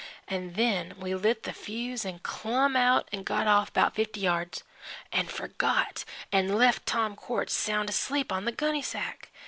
An' then we lit the fuse 'n' clumb out 'n' got off 'bout fifty yards 'n' forgot 'n' left Tom Quartz sound asleep on the gunny sack.